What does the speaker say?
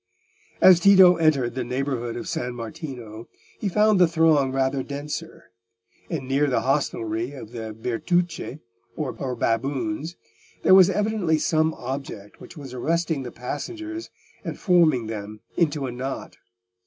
As Tito entered the neighbourhood of San Martino, he found the throng rather denser; and near the hostelry of the Bertucce, or Baboons, there was evidently some object which was arresting the passengers and forming them into a knot.